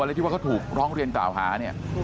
ที่ว่าเขาถูกร้องเรียนกล่าวหาเนี่ย